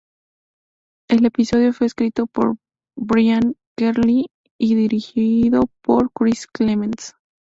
El episodio fue escrito por Brian Kelley y dirigido por Chris Clements.